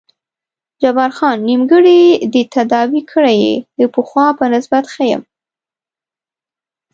جبار خان: نیمګړی دې تداوي کړی یې، د پخوا په نسبت ښه یم.